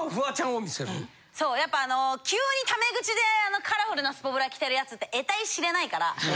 そうやっぱ急にタメ口でカラフルなスポブラ着てる奴って得体知れないから。